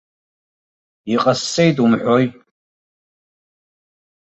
Иҟасҵеит, умҳәои.